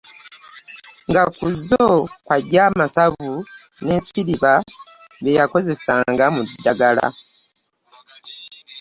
Nga ku zo kw’aggya amasavu n’ensiriba bye yakozesanga mu ddagala.